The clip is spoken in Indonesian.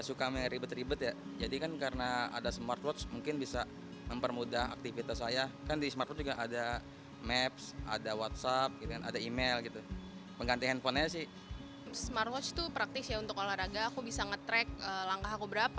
smartwatch itu praktis untuk olahraga aku bisa nge track langkah aku berapa